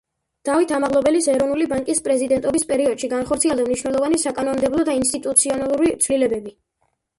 დავით ამაღლობელის ეროვნული ბანკის პრეზიდენტობის პერიოდში განხორციელდა მნიშვნელოვანი საკანონმდებლო და ინსტიტუციონალური ცვლილებები.